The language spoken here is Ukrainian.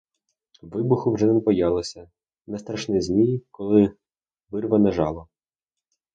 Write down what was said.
Вибуху вже не боялися, не страшний змій, коли вирване жало.